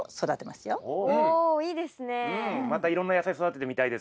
またいろんな野菜育ててみたいです。